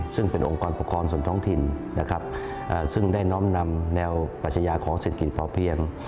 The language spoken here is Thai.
ซึ่งเป็นองค์กรปกครองส่วนท้องถิ่นนะครับซึ่งได้น้อมนำแนวปัชญาของเศรษฐกิจพอเพียง